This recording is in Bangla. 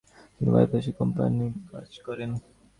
তিনি বায়োগ্রাফ কোম্পানির হয়ে কাজ করেন।